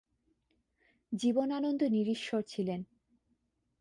জীবনানন্দ নিরীশ্বর ছিলেন।